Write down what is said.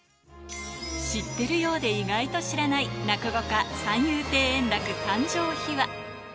知ってるようで意外と知らない、落語家、三遊亭円楽、誕生秘話。